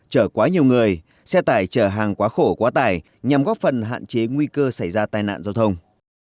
chở quá nhiều người xe tải chở hàng quá khổ quá tải nhằm góp phần hạn chế nguy cơ xảy ra tai nạn giao thông